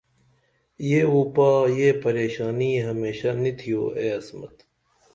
یہ وُپا یہ پریشانی ہمیشہ نی تھیو اے عصمت